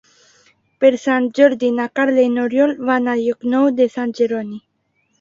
Per Sant Jordi na Carla i n'Oriol van a Llocnou de Sant Jeroni.